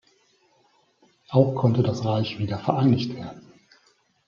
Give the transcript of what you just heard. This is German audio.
Auch konnte das Reich wieder vereinigt werden.